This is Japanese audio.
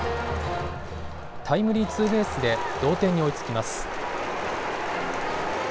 タイムリーツーベースで同点に追いつきます。